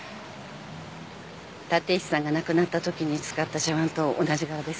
立石さんが亡くなったときに使った茶わんと同じ柄です。